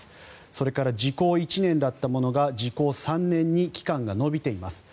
それから時効１年だったものが時効３年に期間が延びています。